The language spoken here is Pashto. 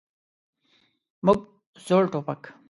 موږ زوړ ټوپک.